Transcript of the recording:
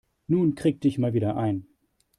Nun krieg dich mal wieder ein.